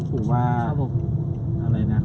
คุณผู้ชายเล่าจริงว่า